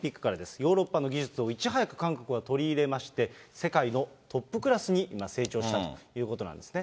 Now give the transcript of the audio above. ヨーロッパの技術をいち早く韓国は取り入れまして、世界のトップクラスに今、成長しているということなんですね。